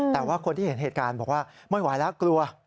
แต่ว่าคนที่เห็นเหตุการณ์บอกว่าไม่ไหวแล้วกลัว